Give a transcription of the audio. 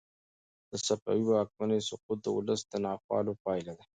د صفوي واکمنۍ سقوط د ولس د ناخوالو پایله وه.